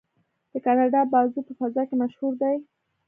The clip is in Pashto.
د کاناډا بازو په فضا کې مشهور دی.